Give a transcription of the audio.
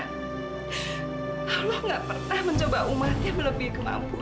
allah gak pernah mencoba umat yang lebih kemampuannya